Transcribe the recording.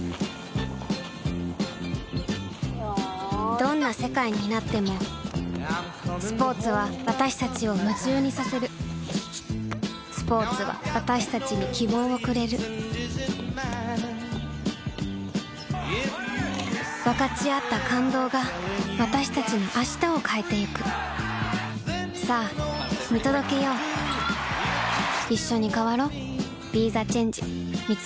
どんな世界になってもスポーツは私たちを夢中にさせるスポーツは私たちに希望をくれる分かち合った感動が私たちの明日を変えてゆくさあ見届けよういっしょに変わろう。